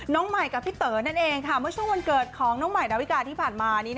น้องไมค์กับพี่เต๋อนั่นเองช่วงวันเกิดของน้องไมค์นาวิกาที่ผ่านมา